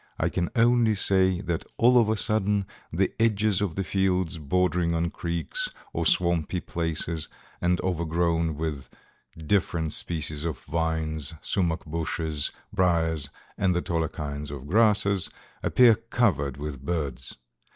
I can only say that, all of a sudden, the edges of the fields bordering on creeks or swampy places and overgrown with different species of vines, sumac bushes, briers and the taller kinds of grasses, appear covered with birds.